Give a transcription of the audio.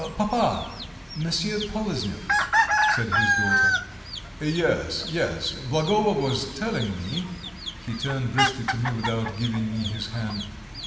"Papa, Monsieur Poloznev," said his daughter. "Yes, yes, Blagovo was telling me," he turned briskly to me without giving me his hand.